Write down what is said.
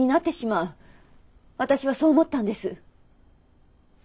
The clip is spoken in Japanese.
私はそう思ったんです。